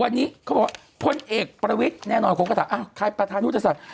วันนี้เขาบอกว่าพลเอกประวิทย์แน่นอนคนก็ถามใครประธานยุทธศาสตร์